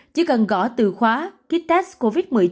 chỉ cần gõ từ khóa kit test covid một mươi chín